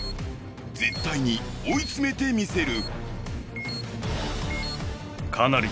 絶対に追いつめてみせる。